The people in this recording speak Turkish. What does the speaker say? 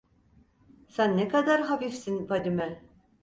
Sen ne kadar hafifsin Fadime!